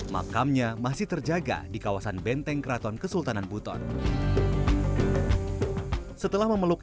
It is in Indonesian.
makamnya masih terjaga di kawasan benteng keraton kesultanan buton setelah memeluk